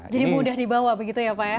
jadi mudah dibawa begitu ya pak ya